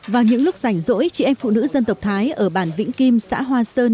vào những lúc rảnh rỗi chị em phụ nữ dân tộc thái ở bản vĩnh kim xã hoa sơn